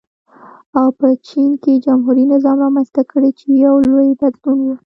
او په چین کې جمهوري نظام رامنځته کړي چې یو لوی بدلون و.